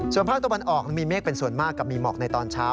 ส่วนภาคตะวันออกมีเมฆเป็นส่วนมากกับมีหมอกในตอนเช้า